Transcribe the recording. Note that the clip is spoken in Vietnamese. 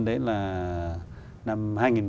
đấy là năm hai nghìn một mươi bốn